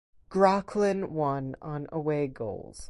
Groclin won on away goals.